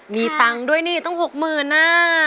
มีตังค์ด้วยนี่ต้องหกหมื่นนะ